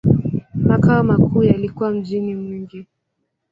Makao makuu yalikuwa mjini Mwingi.